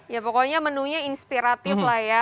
ya pokoknya menunya inspiratif lah ya